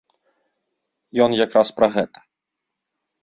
Ён якраз пра гэта.